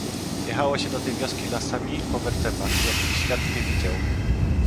"Jechało się do tej wioski lasami, po wertepach, jakich świat nie widział."